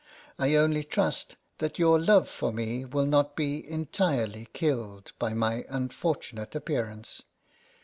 I only trust that your love for me will not be entirely killed by my unfortunate appearance.